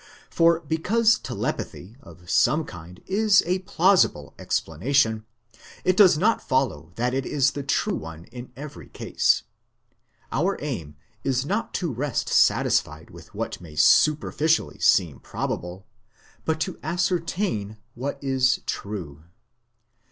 For because telepathy of some kind is a plausible explanation, it does not follow that it is the true one in every case. Our aim is not to rest satisfied with what may superficially seem probable, but to ascertain what is true.